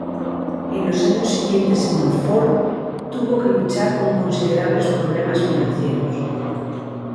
En los años siguientes en Montfort tuvo que luchar con considerables problemas financieros.